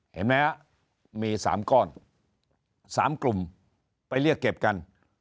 เห็นไหมฮะมี๓ก้อน๓กลุ่มไปเรียกเก็บกัน